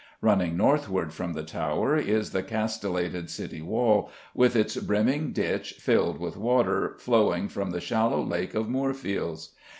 Running northward from the Tower is the castellated city wall, with its brimming ditch filled with water flowing from the shallow lake of Moorfields.